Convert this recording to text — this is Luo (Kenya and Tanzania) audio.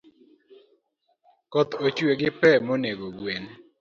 Koth ochue gi pe monego gwen